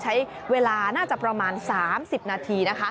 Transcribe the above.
ใช้เวลาน่าจะประมาณ๓๐นาทีนะคะ